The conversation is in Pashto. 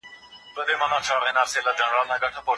ستړیا کله ناکله د رژیم نښه وي.